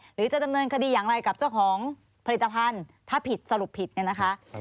หรือจะดำเนินคดีอย่างไรกับเจ้าของผลิตภัณฑ์ถ้าผิดสรุปผิดเนี่ยนะคะ